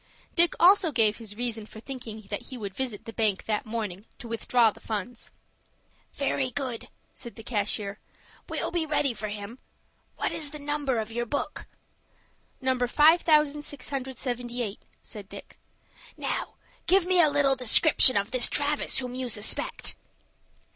Dick also gave his reason for thinking that he would visit the bank that morning, to withdraw the funds. "Very good," said the cashier. "We'll be ready for him. What is the number of your book?" "No. 5,678," said Dick. "Now give me a little description of this Travis whom you suspect."